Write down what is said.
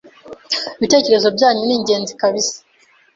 Ibitekerezo byanyu ni ingenzi kabisa